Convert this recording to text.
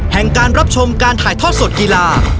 การรับชมการถ่ายทอดสดกีฬา